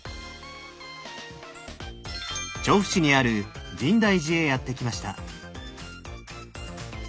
調布市にある深大寺へやって来ました。